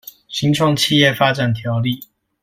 新創企業發展條例